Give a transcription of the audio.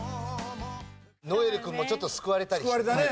如恵留君もちょっと救われたりしてね。